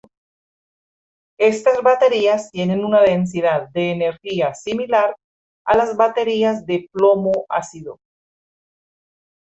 Estas baterías tienen una densidad de energía similar a las baterías de plomo-ácido.